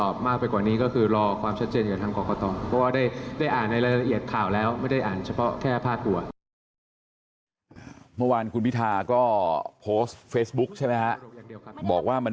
บอกว่ามันมีความเช็ดเจนอยู่กับทางกอกกะตอ